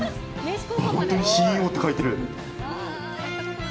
あっ本当にＣＥＯって書いてる！